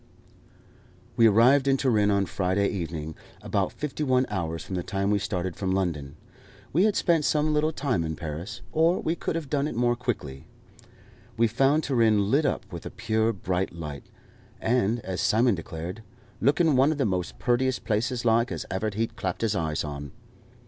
We arrived in Turin on Friday evening, about fifty one hours from the time we started from London. We had spent some little time in Paris, or we could have done it more quickly. We found Turin lit up with a pure bright light, and, as Simon declared, "looking one of the most purtiest places like, as ever he'd clapped his eyes on."